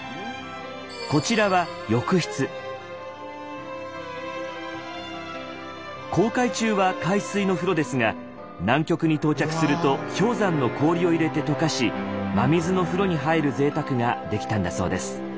こちらは航海中は海水の風呂ですが南極に到着すると氷山の氷を入れて解かし真水の風呂に入る贅沢ができたんだそうです。